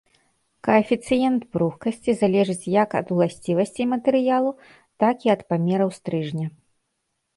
Каэфіцыент пругкасці залежыць як ад уласцівасцей матэрыялу, так і ад памераў стрыжня.